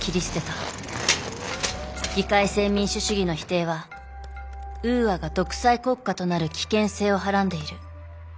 議会制民主主義の否定はウーアが独裁国家となる危険性をはらんでいる。